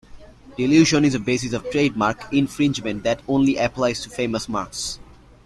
Dilution is a basis of trademark infringement that only applies to famous marks.